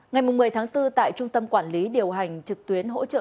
ngày một mươi tháng bốn tại trung tâm quản lý điều hành trực tuyến hỗ trợ